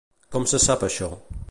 Com se sap això?